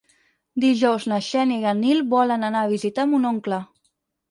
Dijous na Xènia i en Nil volen anar a visitar mon oncle.